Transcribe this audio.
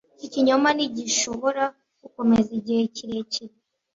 Ikinyoma ntigishobora gukomeza igihe kirekire;